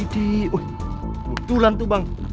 betulan tuh bang